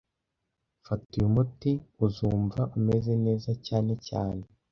Fata uyu muti, uzumva umeze neza cyane cyane